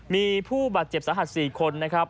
มีผู้บาดเจ็บสาหัส๔คนนะครับ